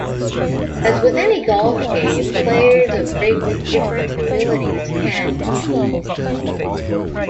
As with any golf game, players of greatly different abilities can compete.